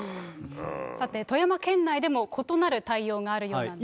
さて、富山県内でも異なる対応があるようなんです。